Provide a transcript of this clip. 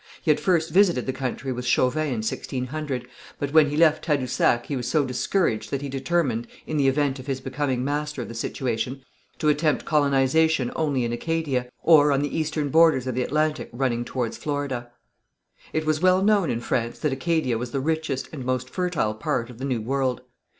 He had first visited the country with Chauvin in 1600, but when he left Tadousac he was so discouraged that he determined, in the event of his becoming master of the situation, to attempt colonization only in Acadia, or on the eastern borders of the Atlantic running towards Florida. It was well known in France that Acadia was the richest and most fertile part of the New World.